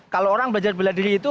kalau orang belajar beladiri itu